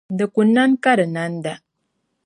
Di ku nani ka di nanda.